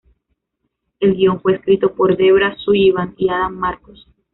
El guion fue escrito por Debra Sullivan y Adam Marcus.